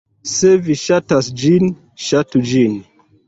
Se vi ŝatas ĝin, ŝatu ĝin.